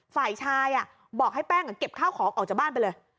ฝ่ายชายบอกให้แป้งเก็บข้าวของออกจากบ้านไปเลย